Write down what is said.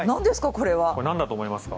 これ何だと思いますか？